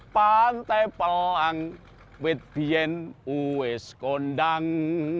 pantai pelang wit bien wes kondang